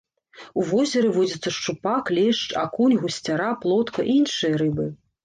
У возеры водзяцца шчупак, лешч, акунь, гусцяра, плотка і іншыя рыбы.